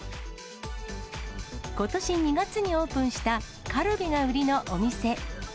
ことし２月にオープンした、カルビが売りのお店。